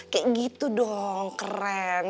kayak gitu dong keren